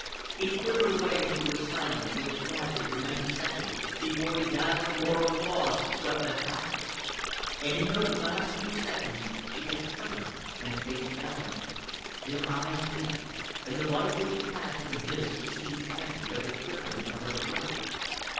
It quivered away into a silence which lasted for many seconds before the gathering roar of applause swept the house. And in those last few seconds she had turned and faced Bellamy. Their eyes met, and the light which flashed from his seemed answered by the quivering of her throat.